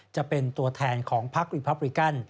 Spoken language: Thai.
จะเป็นตัวแทนของพักรีพับริกัน